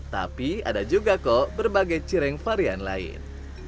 tapi ada juga kok berbagai cireng varian lain